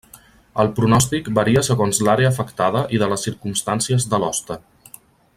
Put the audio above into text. El pronòstic varia segons l'àrea afectada i de les circumstàncies de l'hoste.